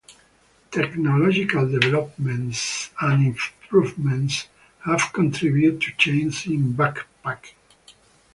Technological developments and improvements have contributed to changes in backpacking.